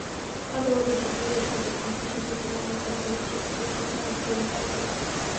হতভাগ্য যাত্রীদের আত্মীয়স্বজনেরা অনেকে আশাবাদী ছিলেন, প্রিয়জনদের হয়তো ফিরে পাওয়া যাবে।